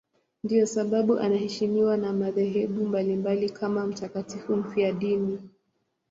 Ndiyo sababu anaheshimiwa na madhehebu mbalimbali kama mtakatifu mfiadini.